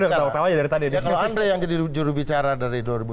kalau andri yang jadi jurubicara dari